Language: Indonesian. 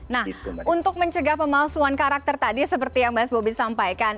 nah untuk mencegah pemalsuan karakter tadi seperti yang mas bobi sampaikan